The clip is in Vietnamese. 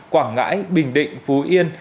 quảng ngãi bình định phú yên